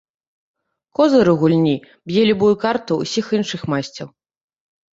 Козыр у гульні б'е любую карту ўсіх іншых масцяў.